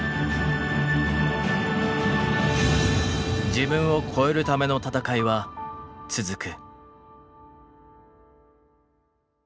自分を超えるための戦いは続く。